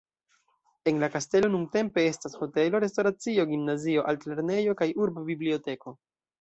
En la kastelo nuntempe estas hotelo, restoracio, gimnazio, artlernejo kaj urba biblioteko.